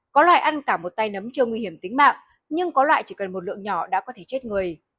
có loại ăn cả một tay nấm chưa nguy hiểm tính mạng nhưng có loại chỉ cần một lượng nhỏ đã có thể chết người